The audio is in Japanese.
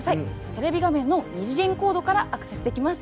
テレビ画面の二次元コードからアクセスできます。